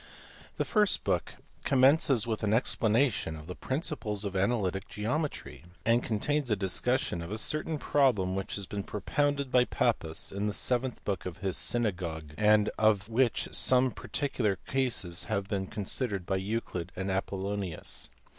The first book commences with an explanation of the prin ciples of analytical geometry, and contains a discussion of a DESCARTES. 275 certain problem which had been propounded by Pappus in the seventh book of his Swaywy?; and of which some particular cases had been considered by Euclid and Apollonius.